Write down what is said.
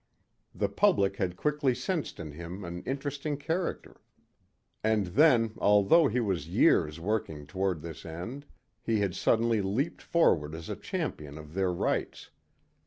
The public had quickly sensed in him an interesting character. And then, although he was years working toward this end, he had suddenly leaped forward as a champion of their rights.